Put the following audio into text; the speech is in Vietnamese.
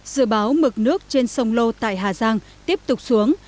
dự báo mực nước trên sông lô tại hà giang tiếp tục xuống